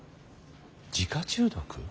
自家中毒。